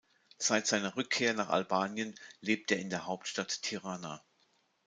Seit seiner Rückkehr nach Albanien lebte er in der Hauptstadt Tirana.